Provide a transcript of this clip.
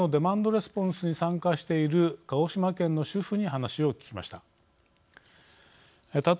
レスポンスに参加している鹿児島県の主婦に話を聞きました。